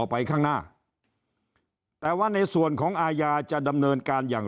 ไปข้างหน้าแต่ว่าในส่วนของอาญาจะดำเนินการอย่าง